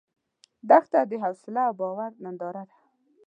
دښته د حوصله او باور ننداره ده.